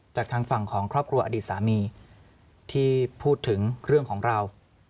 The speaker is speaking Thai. จากทางฝั่งของครอบครัวอดีตสามีที่พูดถึงเรื่องของเรา